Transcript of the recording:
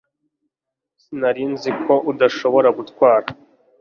Sinari nzi ko udashobora gutwara